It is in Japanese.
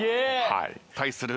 対する